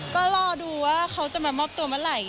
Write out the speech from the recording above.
ก็รอดูว่าเขาจะมามอบตัวเมื่อไหร่